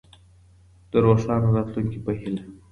د روښانه راتلونکي په هيله.